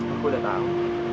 aku udah tahu